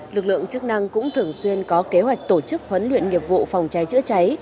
lực lượng chức năng cũng thường xuyên có kế hoạch tổ chức huấn luyện nghiệp vụ phòng cháy chữa cháy